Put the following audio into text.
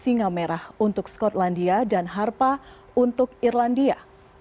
singa merah untuk skotlandia dan harpa untuk irlandia